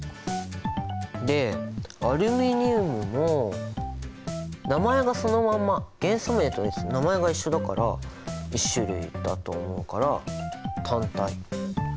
でアルミニウムも名前がそのまんま元素名と名前が一緒だから１種類だと思うから単体。